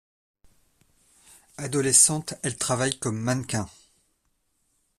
Adolescente, elle travaille comme mannequin.